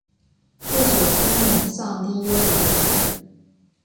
不久因母丧丁忧离职。